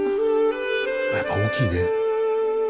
やっぱ大きいね。